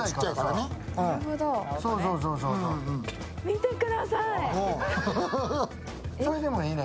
見てくださーい。